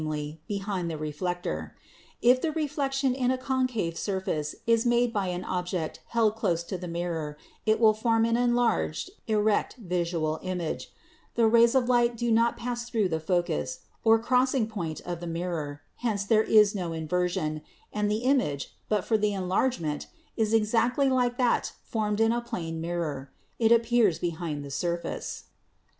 behind the reflector. If the reflection in a concave surface is made by an object held close to the mirror, it will form an enlarged erect virtual image; the rays of light do not pass through the focus, or crossing point of the mirror, hence there is no inversion, and the image, but for the enlargement, is exactly like that formed in a plane mirror. It appears behind the surface.